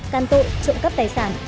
càn tội trộm cắt tài sản